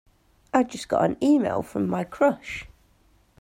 I just got an e-mail from my crush!